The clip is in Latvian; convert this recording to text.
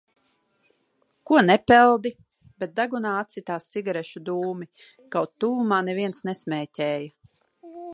"Ko nepeldi?" Bet degunā atsitās cigarešu dūmi, kaut tuvumā neviens nesmēķēja.